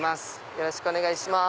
よろしくお願いします。